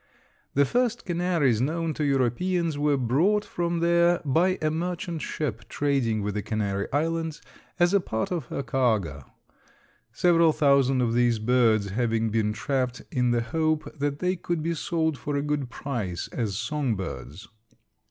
The first canaries known to Europeans were brought from there by a merchant ship trading with the Canary Islands as a part of her cargo, several thousand of these birds having been trapped in the hope that they could be sold for a good price as song birds.